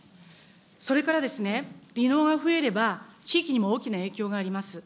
それからですね、離農が増えれば、地域にも大きな影響があります。